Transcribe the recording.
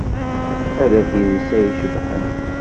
Ala tidet ay icebḥen.